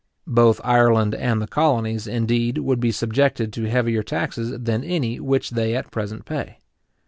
Both Ireland and the colonies, indeed, would be subjected to heavier taxes than any which they at present pay.